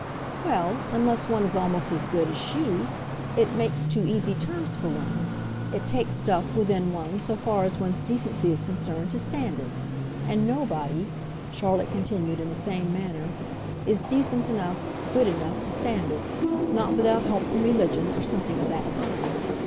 "Well, unless one is almost as good as she. It makes too easy terms for one. It takes stuff, within one, so far as one's decency is concerned, to stand it. And nobody," Charlotte continued in the same manner, "is decent enough, good enough, to stand it not without help from religion, or something of that kind.